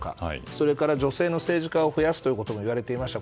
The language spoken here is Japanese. それから女性の政治家を増やすということも言われていました。